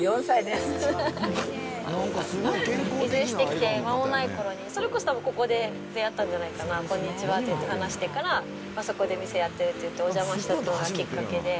移住してきて間もないころに、それこそここで出会ったんじゃないかな、こんにちはって言って、話してからそこで店やってるって言って、お邪魔したのがきっかけで。